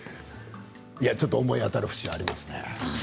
ちょっと思い当たる節はありますね。